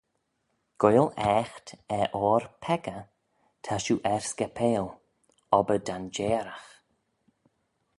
Goaill aaght er oyr peccah ta shiu er scapail, obbyr danjeeragh.